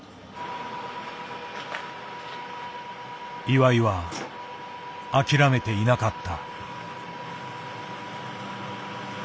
岩井は諦めていなかった。